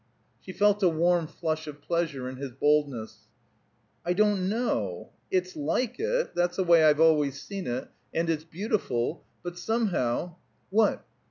She felt a warm flush of pleasure in his boldness. "I don't know. It's like it; that's the way I've always seen it; and it's beautiful. But somehow " "What?"